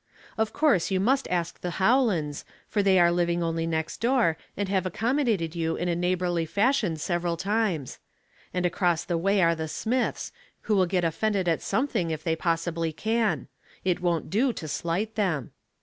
Of course you must ask the Howlands, for they are living only next door, and have accommodated you in a neighborly fashion several times; and across the way are the Smiths, who will get offended at something if they possibly can ; it won't do to slight them.